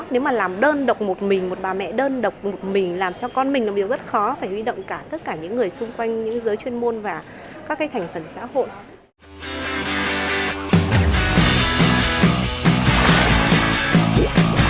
nếu mà làm đơn độc một mình một bà mẹ đơn độc một mình làm cho con mình là điều rất khó phải huy động cả tất cả những người xung quanh những giới chuyên môn và các cái thành phần xã hội